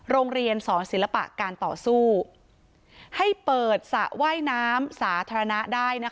โรงเรียนสอนศิลปะการต่อสู้ให้เปิดสระว่ายน้ำสาธารณะได้นะคะ